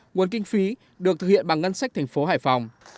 nguồn kinh phí được thực hiện bằng ngân sách tp hải phòng